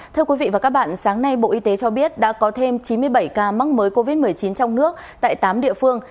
thưa quý vị và các bạn sáng nay bộ y tế cho biết đã có thêm chín mươi bảy ca mắc mới covid một mươi chín trong nước tại tám địa phương